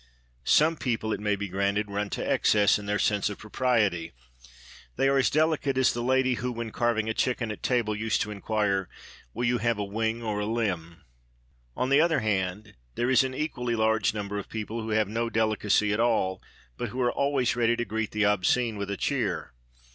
Some people, it may be granted, run to excess in their sense of propriety. They are as delicate as the lady who, when carving a chicken at table, used to inquire: "Will you have a wing or a limb?" On the other hand, there is an equally large number of people who have no delicacy at all but who are always ready to greet the obscene with a cheer.